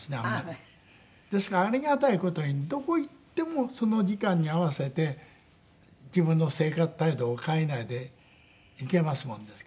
ですからありがたい事にどこ行ってもその時間に合わせて自分の生活態度を変えないでいけますもんですから。